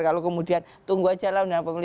kalau kemudian tunggu aja lah undang undang pemilu